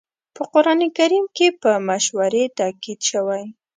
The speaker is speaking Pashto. په قرآن کريم کې په مشورې تاکيد شوی.